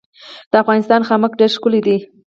د افغانستان خامک ډیر ښکلی دی